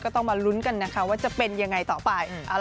ต้องมาลุ้นกันนะคะว่าจะเป็นยังไงต่อไป